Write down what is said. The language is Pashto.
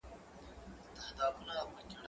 زه کولای سم زدکړه وکړم؟